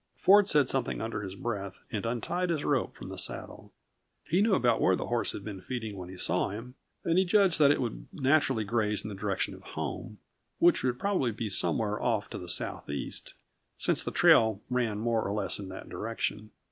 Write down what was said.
Ford said something under his breath and untied his rope from the saddle. He knew about where the horse had been feeding when he saw him, and he judged that it would naturally graze in the direction of home which would probably be somewhere off to the southeast, since the trail ran more or less in that direction.